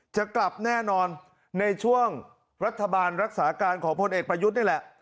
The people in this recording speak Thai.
จะกลับแน่นอนในช่วงรัฐบาลรักษาการของพลเอกประยุทธ์นี่แหละ